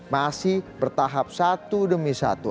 masih bertahap satu demi satu